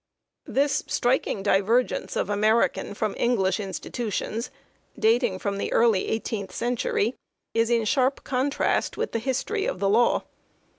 This striking divergence of American from English institutions, dating from the early eighteenth century, is in sharp contrast with the history of the law.